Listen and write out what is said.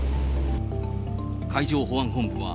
海上保安本部は、